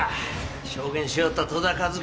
証言しよった戸田一希